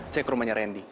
saya ke rumahnya randy